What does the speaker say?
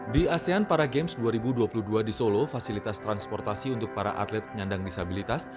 di asean para games dua ribu dua puluh dua di solo fasilitas transportasi untuk para atlet penyandang disabilitas